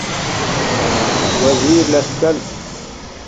وزیر لہ سکلس